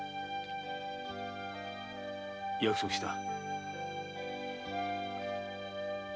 約束した。